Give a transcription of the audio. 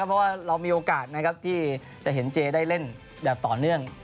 ผมมีโอกาสที่จะเห็นเจได้เล่นต่อเนื่อง